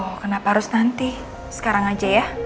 oh kenapa harus nanti sekarang aja ya